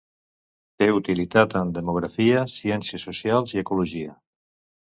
Té utilitat en demografia, ciències socials i ecologia.